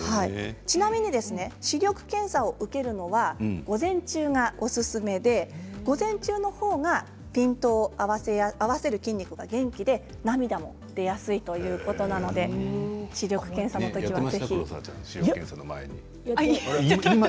ちなみに視力検査を受けるのは午前中がおすすめで午前中のほうがピントを合わせる筋肉が元気で涙も出やすいということなので視力検査のときはぜひ。